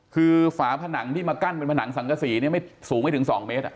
คือฝาผนังที่มากั้นเป็นผนังสังกะสีสูงไว้ถึงสองเมตร